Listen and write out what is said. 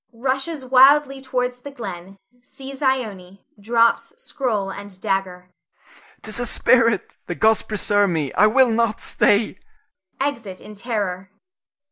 [Rushes wildly towards the glen, sees Ione, drops scroll and dagger.] 'Tis a spirit! The gods preserve me, I will not stay! [_Exit in terror.